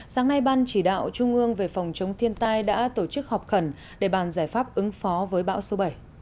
sáng nay ban chỉ đạo trung ương về phòng chống thiên tai đã tổ chức họp khẩn để bàn giải pháp ứng phó với bão số bảy